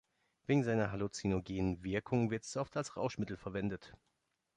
Wegen seiner halluzinogenen Wirkung wird es oft als Rauschmittel verwendet.